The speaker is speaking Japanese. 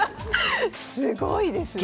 すごいですね。